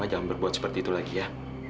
jangan berbuat seperti itu lagi ya